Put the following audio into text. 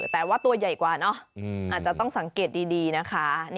แต่ว่าตัวใหญ่กว่าเนอะอาจจะต้องสังเกตดีนะคะ